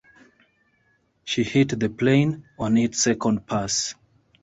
She hit the plane on its second pass.